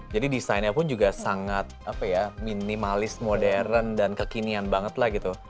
jadi desainnya pun juga sangat apa ya minimalis modern dan kekinian banget lah gitu